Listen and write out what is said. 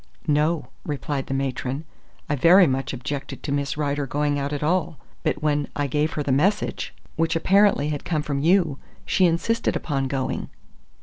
"No," replied the matron. "I very much objected to Miss Rider going at all, but when I gave her the message, which apparently had come from you, she insisted upon going."